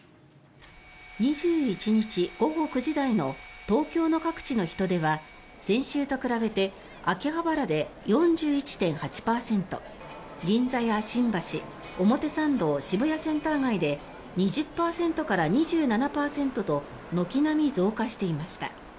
２１日午後９時台の東京の各地の人出は先週と比べて秋葉原で４１．８％銀座や新橋、表参道渋谷センター街で２０％から２７％と軒並み増加していました。